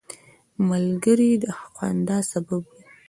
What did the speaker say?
ملګری د خندا سبب وي